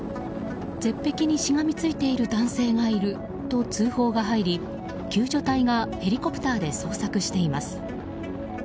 絶壁にしがみついている男性がいると通報が入り救助隊がヘリコプターで捜索しています。